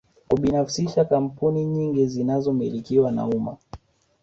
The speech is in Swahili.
Kubinafsisha kampuni nyingi zilizomilikiwa na umma